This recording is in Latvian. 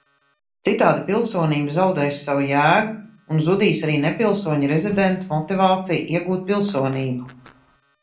Citādi pilsonība zaudēs savu jēgu, un zudīs arī nepilsoņu rezidentu motivācija iegūt pilsonību.